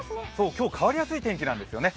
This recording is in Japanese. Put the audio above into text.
今日変わりやすい天気なんですよね。